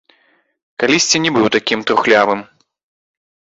Калісьці не быў такім трухлявым.